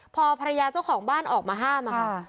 พอภรรยาเจ้าของบ้านออกมาห้ามค่ะ